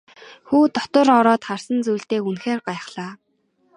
Хүү дотор ороод харсан зүйлдээ үнэхээр гайхлаа.